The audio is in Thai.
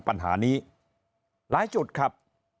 ปัญหานี้หลายจุดครับ